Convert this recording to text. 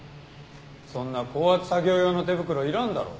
そんな高圧作業用の手袋いらんだろ。